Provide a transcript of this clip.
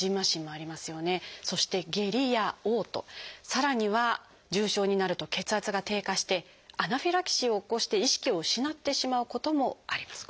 さらには重症になると血圧が低下してアナフィラキシーを起こして意識を失ってしまうこともあります。